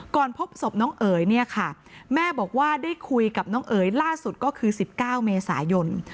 พบศพน้องเอ๋ยเนี่ยค่ะแม่บอกว่าได้คุยกับน้องเอ๋ยล่าสุดก็คือ๑๙เมษายน